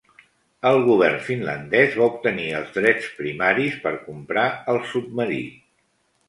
El govern finlandès va obtenir els drets primaris per comprar el submarí.